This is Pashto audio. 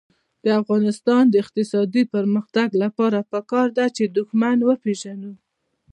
د افغانستان د اقتصادي پرمختګ لپاره پکار ده چې دښمن وپېژنو.